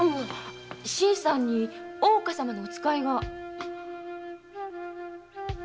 新さんに大岡様のお使いが。